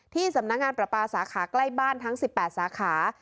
ที่สำนักงานประปาสาขาใกล้บ้านทั้ง๑๘สาขา